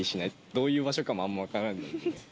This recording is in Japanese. どういう場所かもあんま分からないので。